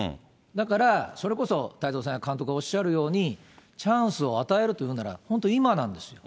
だから、それこそ太蔵さんや監督がおっしゃるように、チャンスを与えるというなら、本当今なんですよ。